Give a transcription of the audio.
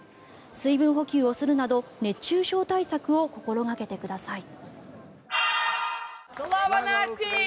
水分補給をするなど熱中症対策を心掛けてください。